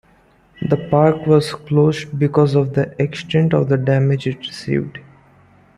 The park was closed because of the extent of the damage it received.